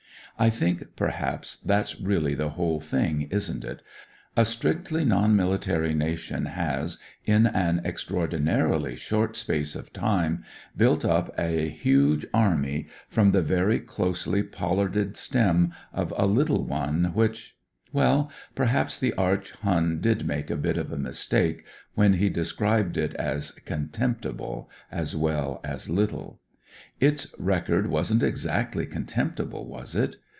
I think, perhaps, that's really the whole thing, isn't it ? A strictly non military nation has, in an extraordinarily short space of time, built up a huge Army from the very closely pollarded stem of a little one which — ^well, perhaps the arch Hun did make a bit of a mistake when he described it as * contemptible ' as well as little. Its record wasn't exactly contemptible, was it